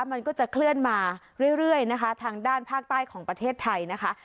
มันก็จะเคลื่อนมาเรื่อยนะคะทางด้านภาคใต้ของประเทศไทยนะคะ